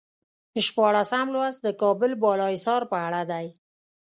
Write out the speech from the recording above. شپاړسم لوست د کابل بالا حصار په اړه دی.